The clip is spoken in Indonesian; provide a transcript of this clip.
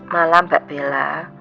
malam mbak bella